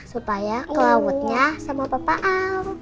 supaya ke lautnya sama papa au